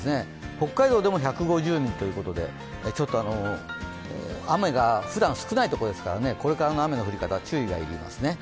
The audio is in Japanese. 北海道でも１５０ミリということで雨がふだん少ないところですからね、これからの雨の降り方注意が必要ですね。